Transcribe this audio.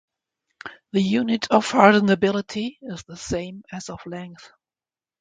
The unit of hardenability is the same as of length.